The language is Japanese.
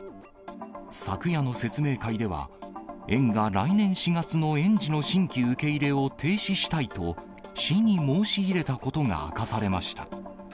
昨夜の説明会では、園が来年４月の園児の新規受け入れを停止したいと、市に申し入れたことが明かされました。